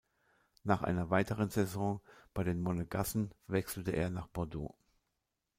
Nach einer weiteren Saison bei den Monegassen, wechselte er nach Bordeaux.